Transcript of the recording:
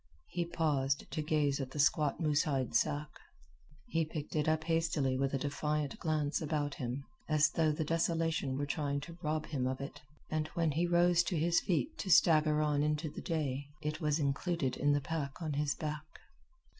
He paused to gaze at the squat moose hide sack. He picked it up hastily with a defiant glance about him, as though the desolation were trying to rob him of it; and when he rose to his feet to stagger on into the day, it was included in the pack on his back.